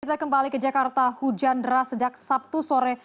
kita kembali ke jakarta hujan deras sejak sabtu sore